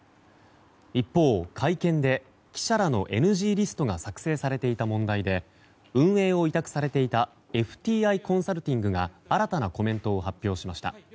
一方、会見で記者らのＮＧリストが作成されていた問題で運営を委託されていたＦＴＩコンサルティングが新たなコメントを発表しました。